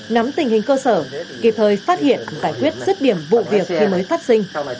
nắm tình hình cơ sở kịp thời phát hiện giải quyết rứt điểm vụ việc khi mới phát sinh